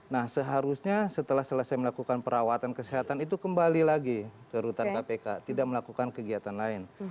nah seharusnya setelah selesai melakukan perawatan kesehatan itu kembali lagi ke rutan kpk tidak melakukan kegiatan lain